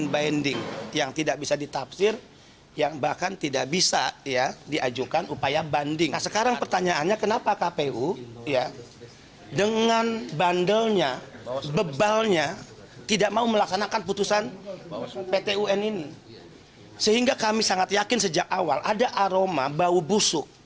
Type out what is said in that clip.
sehingga kami sangat yakin sejak awal ada aroma bau busuk